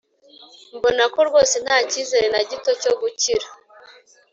mbona ko rwose ntacyizere nagito cyo gukira.